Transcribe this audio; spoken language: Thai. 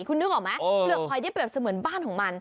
คุณนึกออกไหมเปลือกหอยที่เปรียบเสมือนบ้านของมัน